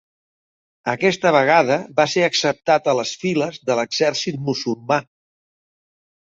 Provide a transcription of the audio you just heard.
Aquesta vegada va ser acceptat a les files de l'exèrcit musulmà.